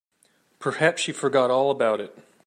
Perhaps she forgot all about it.